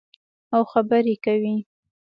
او خبرې کوي.